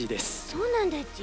そうなんだち？